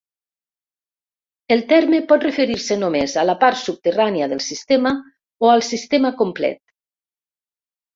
El terme pot referir-se només a la part subterrània del sistema o al sistema complet.